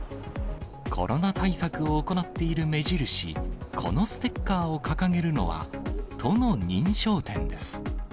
コロナ対策を行っている目印、このステッカーを掲げるのは、都の認証店です。